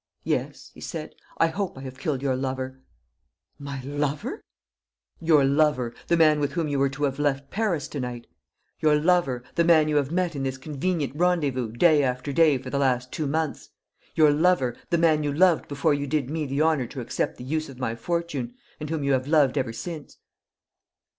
"Yes," he said, "I hope I have killed your lover." "My lover!" "Your lover the man with whom you were to have left Paris to night. Your lover the man you have met in this convenient rendezvous, day after day for the last two months. Your lover the man you loved before you did me the honour to accept the use of my fortune, and whom you have loved ever since."